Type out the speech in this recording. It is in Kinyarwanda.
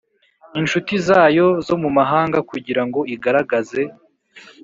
inshuti zayo zo mu mahanga kugira ngo igaragaze